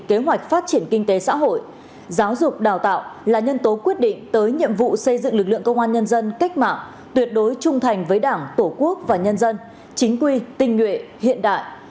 kế hoạch phát triển kinh tế xã hội giáo dục đào tạo là nhân tố quyết định tới nhiệm vụ xây dựng lực lượng công an nhân dân cách mạng tuyệt đối trung thành với đảng tổ quốc và nhân dân chính quy tinh nguyện hiện đại